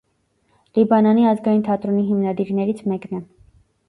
Լիբանանի ազգային թատրոնի հիմնադիրներից մեկն է։